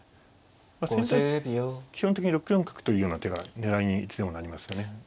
先手は基本的に６四角というような手が狙いにいつでもなりますよね。